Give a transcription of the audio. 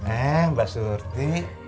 eh mbak surti